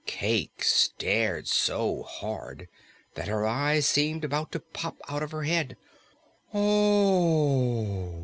Cayke stared so hard that her eyes seemed about to pop out of her head. "O o o h!"